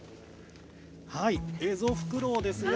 エゾフクロウです。